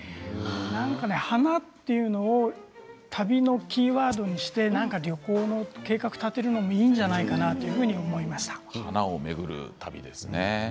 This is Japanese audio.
なんか花というのを旅のキーワードにして旅行の計画を立てるのもいいんじゃないかな花を巡る旅ですね。